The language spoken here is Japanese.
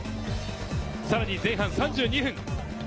さらに前半３２分。